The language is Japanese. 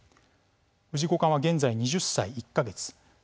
藤井五冠は、現在２０歳１か月。